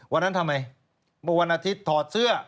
วันนั้นทำไมเมื่อวันอาทิตย์ถอดเสื้อ